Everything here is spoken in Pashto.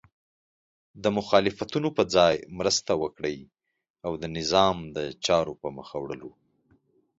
د مخالفتونو په ځای مرسته وکړئ او د نظام د چارو په مخته وړلو